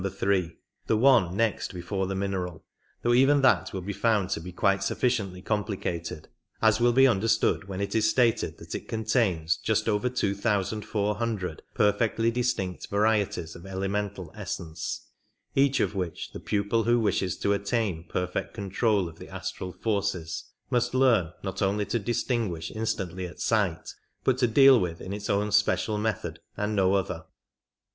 3 — the one next before the mineral ; though even that will be found quite sufficiently complicated, as will be understood when it is stated that it contains just over two thousand four hundred perfectly distinct varieties of elemental essence, each of which the pupil who wishes to attain perfect control of the astral forces must learn not only to distinguish instantly at sight, but to deal with in its own special method and no other.